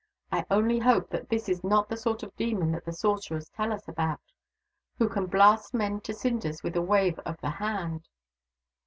I only hope that this is not the sort of demon that the sorcerers tell us about, who can blast men to cinders with a wave of the hand."